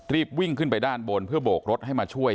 รีบวิ่งขึ้นไปด้านบนเพื่อโบกรถให้มาช่วย